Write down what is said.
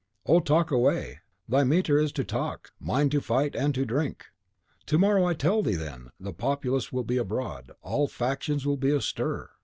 "Oh, talk away! thy metier is to talk, mine to fight and to drink." "To morrow, I tell thee then, the populace will be abroad; all factions will be astir.